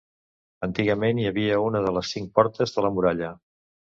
Antigament hi havia una de les cinc portes de la muralla.